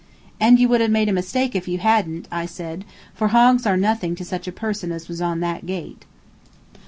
"And you would have made a mistake if you hadn't," I said, "for hogs are nothing to such a person as was on that gate."